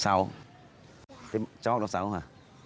cháu học của lớp sáu hả